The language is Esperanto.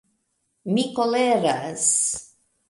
Mi koleras.